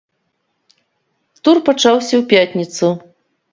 Тур пачаўся ў пятніцу.